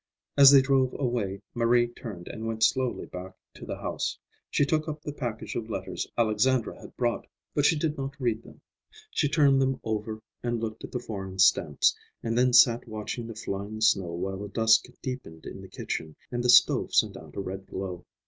As they drove away, Marie turned and went slowly back to the house. She took up the package of letters Alexandra had brought, but she did not read them. She turned them over and looked at the foreign stamps, and then sat watching the flying snow while the dusk deepened in the kitchen and the stove sent out a red glow.